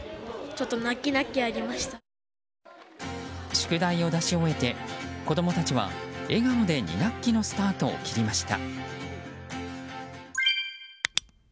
宿題を出し終えて子供たちは笑顔で２学期のスタートを切りました。